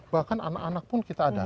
bahkan anak anak pun kita ada